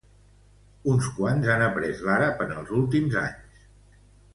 Uns quants han aprés l'àrab en els últims anys.